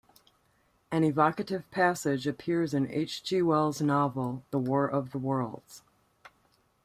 An evocative passage appears in H. G. Wells' novel "The War of the Worlds".